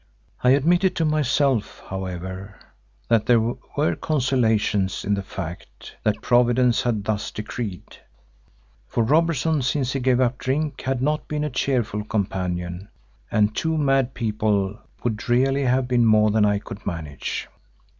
I admitted to myself, however, that there were consolations in the fact that Providence had thus decreed, for Robertson since he gave up drink had not been a cheerful companion, and two mad people would really have been more than I could manage.